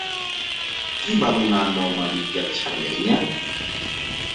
Qui va donar nom a l'illa de Sardenya?